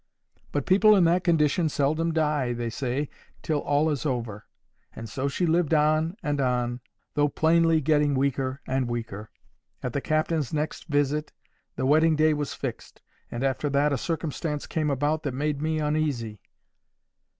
"But people in that condition seldom die, they say, till all is over; and so she lived on and on, though plainly getting weaker and weaker.—At the captain's next visit, the wedding day was fixed. And after that a circumstance came about that made me uneasy.